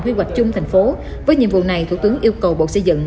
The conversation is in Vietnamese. quy hoạch chung thành phố với nhiệm vụ này thủ tướng yêu cầu bộ xây dựng